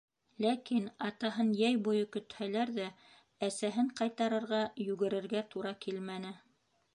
Ләкин атаһын йәй буйы көтһәләр ҙә, әсәһен ҡайтарырға йүгерергә тура килмәне.